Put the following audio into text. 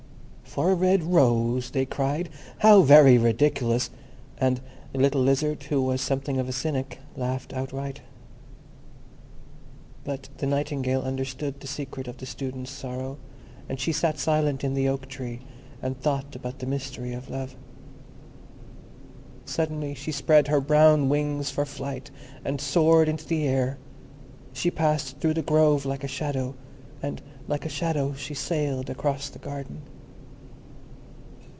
"For a red rose?" they cried; "how very ridiculous!" and the little Lizard, who was something of a cynic, laughed outright. But the Nightingale understood the secret of the Student's sorrow, and she sat silent in the oak tree, and thought about the mystery of Love. Suddenly she spread her brown wings for flight, and soared into the air. She passed through the grove like a shadow, and like a shadow she sailed across the garden.